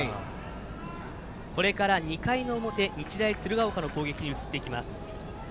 これから２回の表日大鶴ヶ丘の攻撃に移っていきます。